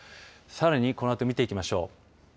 さらにこのあと見ていきましょう。